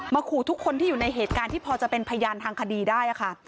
ขู่ทุกคนที่อยู่ในเหตุการณ์ที่พอจะเป็นพยานทางคดีได้ค่ะ